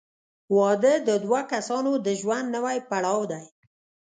• واده د دوه کسانو د ژوند نوی پړاو دی.